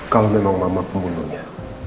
kalau memang mama pembunuhnya